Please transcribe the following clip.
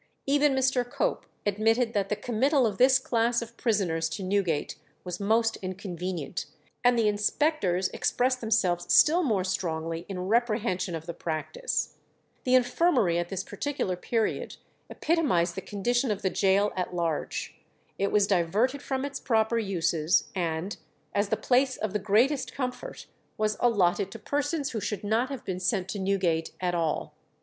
Even Mr. Cope admitted that the committal of this class of prisoners to Newgate was most inconvenient, and the inspectors expressed themselves still more strongly in reprehension of the practice. The infirmary at this particular period epitomized the condition of the gaol at large. It was diverted from its proper uses, and, as the "place of the greatest comfort," was allotted to persons who should not have been sent to Newgate at all.